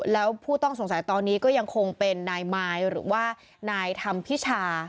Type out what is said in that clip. แล้วผู้ต้องสงสัยตอนนี้ก็ยังคงเป็นนายมายหรือว่านายธรรมพิชา